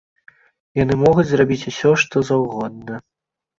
Яны могуць зрабіць усё што заўгодна.